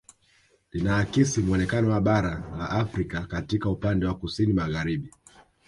Linaakisi muonekano wa bara la Afrika katika upande wa kusini magharibi